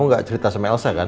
nggak cerita sama elsa kan